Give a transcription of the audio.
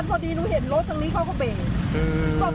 พอดีหนูเห็นรถทางนี้เขาก็เบรก